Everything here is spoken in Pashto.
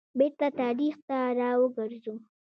بیرته تاریخ ته را وګرځو.